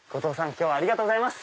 今日はありがとうございます。